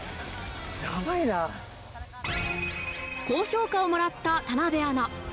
好評価をもらった田辺アナ。